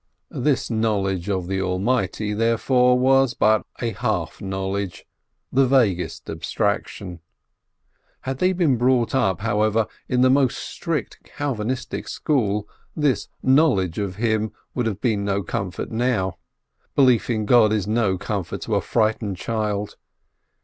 This knowledge of the Almighty, therefore, was but a half knowledge, the vaguest abstraction. Had they been brought up, however, in the most strictly Calvinistic school, this knowledge of Him would have been no comfort now. Belief in God is no comfort to a frightened child.